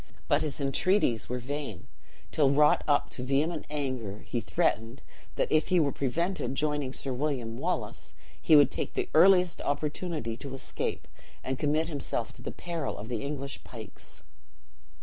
But his entreaties were vain, till wrought up to vehement anger he threatened that if he were prevented joining Sir William Wallace, he would take the earliest opportunity to escape, and commit himself to the peril of the English pikes.